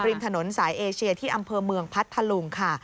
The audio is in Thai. ริมถนนสายเอเชียที่อำเภอเมืองพัทธลุงค่ะ